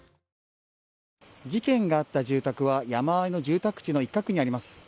事件があった住宅は山あいの住宅地の一角にあります。